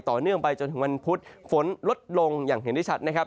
ต่อเนื่องไปจนถึงวันพุธฝนลดลงอย่างเห็นได้ชัดนะครับ